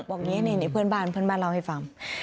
บอกอย่างนี้เพื่อนบ้านเล่าให้ฟัง